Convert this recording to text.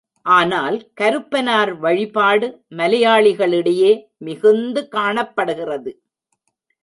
ஆனால் கருப்பனார் வழிபாடு மலையாளிகளிடையே மிகுந்து காணப்படுகிறது.